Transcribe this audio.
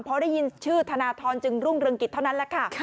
พอได้ยินชื่อธนทรจึงรุ่งเรืองกิจเท่านั้นแหละค่ะ